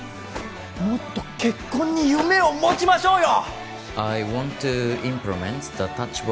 もっと結婚に夢を持ちましょうよ